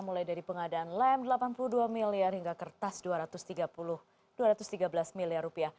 mulai dari pengadaan lem delapan puluh dua miliar hingga kertas dua ratus tiga belas miliar rupiah